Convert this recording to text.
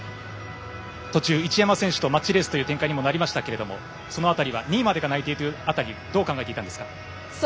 途中、一山選手とマッチレースの展開でしたがその辺りは２位までが内定という辺りはどう考えていたんですか？